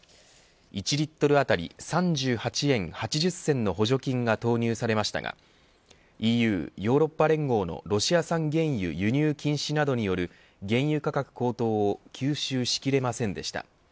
１リットル当たり３８円８０銭の補助金が投入されましたがＥＵヨーロッパ連合のロシア産原油輸入禁止などによる原油価格高騰を吸収しきれませんでした。